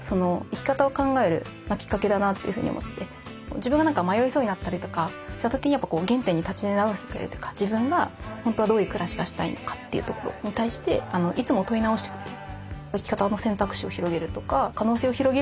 自分が何か迷いそうになったりとかした時にやっぱ原点に立ち直らせてくれるとか自分が本当はどういう暮らしがしたいのかというところに対していつも問い直してくれる。